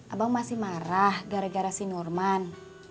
abang masih marah gara gara si norman